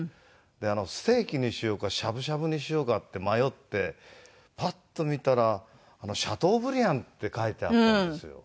ステーキにしようかしゃぶしゃぶにしようかって迷ってパッと見たらシャトーブリアンって書いてあったんですよ。